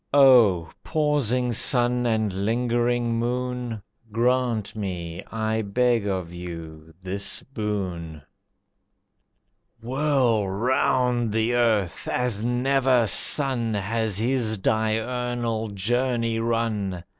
O Pausing Sun and Lingering Moon! Grant me, I beg of you, this boon. Whirl round the earth as never sun Has his diurnal journey run.